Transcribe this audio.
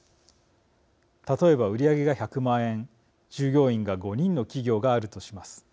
例えば、売り上げが１００万円従業員が５人の企業があるとします。